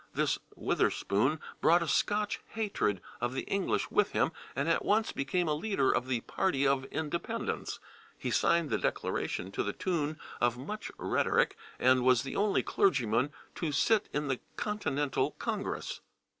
This Witherspoon brought a Scotch hatred of the English with him, and at once became a leader of the party of independence; he signed the Declaration to the tune of much rhetoric, and was the only clergyman to sit in the Continental Congress.